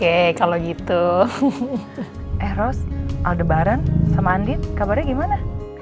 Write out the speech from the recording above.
eh ros aldebaran sama andin kabarnya gimana